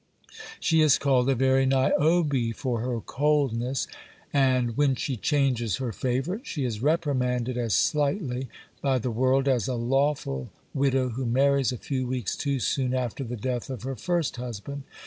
She is called a very Niobe for her coldness ; and when she changes her favourite, she is reprimanded a* slightly by the world, as a lawful widow who marries a few weeks too soon after the death of her first husband.